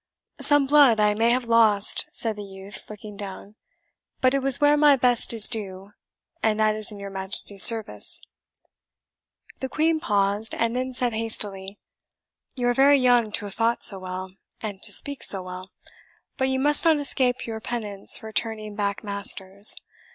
"Some blood I may have lost," said the youth, looking down, "but it was where my best is due, and that is in your Majesty's service." The Queen paused, and then said hastily, "You are very young to have fought so well, and to speak so well. But you must not escape your penance for turning back Masters.